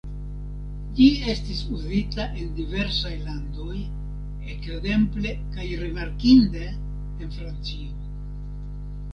Ĝi estis uzita en diversaj landoj, ekzemple kaj rimarkinde en Francio.